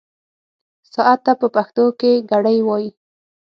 ساعت ته په پښتو کې ګړۍ وايي.